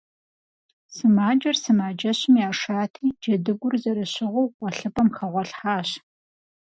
Сымаджэр сымаджэщым яшати, джэдыгур зэрыщыгъыу гъуэлъыпӏэм хэгъуэлъхьащ.